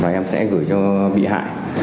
và em sẽ gửi cho bị hại